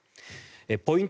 ポイント